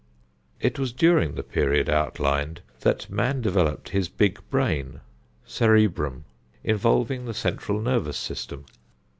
It was during the period outlined that man developed his big brain (cerebrum) involving the central nervous system.